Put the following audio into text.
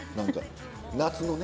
夏のね。